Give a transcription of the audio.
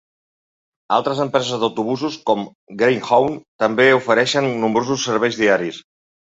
Altres empreses d'autobusos com Greyhound també ofereixen nombrosos serveis diaris.